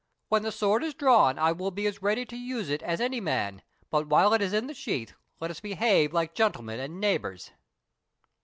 When the sword is drawn, I will be as ready to use it as any man; but while it is in the sheath, let us behave like gentlemen and neighbours."